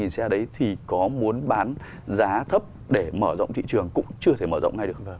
xe đấy thì có muốn bán giá thấp để mở rộng thị trường cũng chưa thể mở rộng ngay được